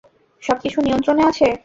সবকিছু নিয়ন্ত্রণে আছে।